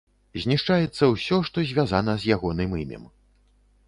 Знішчаецца ўсё, што звязана з ягоным імем.